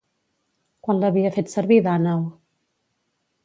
Quan l'havia fet servir Dànau?